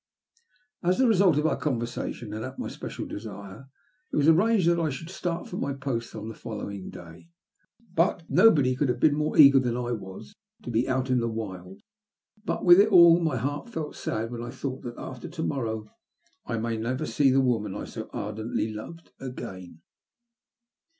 As the result of our conversation, and at my special desire, it was arranged that I should start for my post on the following day. Nobody could have been more eager than I was to be out in the wilds. But, with it all, my heart felt sad when I thought that after to morrow I might never see the woman I bo ardently SOUTH AFBICA. 320 loved again.